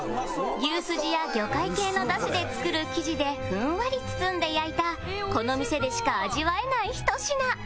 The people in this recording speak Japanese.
牛すじや魚介系の出汁で作る生地でふんわり包んで焼いたこの店でしか味わえないひと品